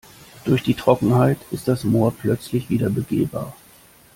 Durch die Trockenheit ist das Moor plötzlich wieder begehbar.